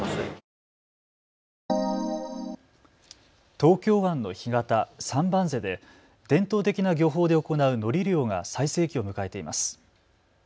東京湾の干潟、三番瀬で伝統的な漁法で行うのり漁が最盛期を迎えています。